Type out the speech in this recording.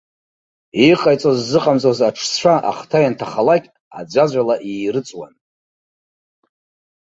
Иҟаиҵоз ззыҟамҵоз аҽцәа, ахҭа ианҭахалак, аӡәаӡәала иирыҵуан.